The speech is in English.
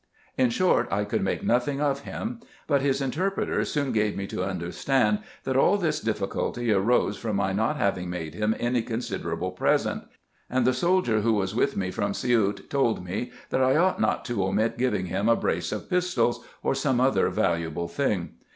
In short, I could make nothing of him ; but his interpreter soon gave me to understand, that all this difficulty arose from my not having made him any considerable present ; and the soldier who was with me from Siout told me, that I ought not to omit giving him a brace of pistols, or some other valuable thing.